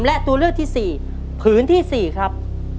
และตัวเลือกที่๔ผืนที่๔ครับ